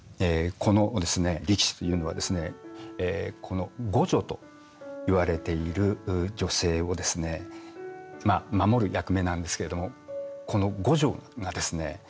このですね力士というのはですねこの呉女といわれている女性をですね守る役目なんですけれどもこの呉女がですね